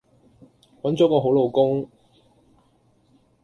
搵咗個好老公